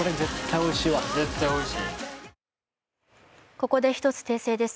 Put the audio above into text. ここで１つ訂正です。